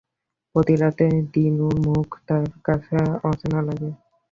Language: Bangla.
প্রতি রাতেই দিনুর মুখ তার কাছে অচেনা লাগে।